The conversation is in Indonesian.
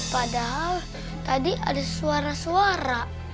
padahal tadi ada suara suara